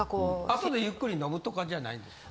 あとでゆっくり飲むとかじゃないんですか？